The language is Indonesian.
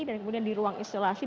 dan kemudian di ruang isolasi